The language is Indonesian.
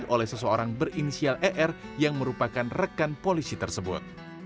oleh seseorang berinisial er yang merupakan rekan polisi tersebut